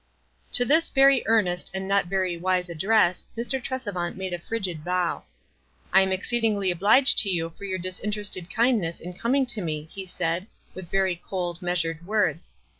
To this very earnest and not veiy wise ad dress Mr. Tresevant made a frigid bow. w I am exceedingly obliged to you for your disinterested kindness in coming to me,"' he said, with very cold, measured words.